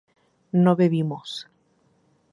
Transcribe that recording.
no bebimos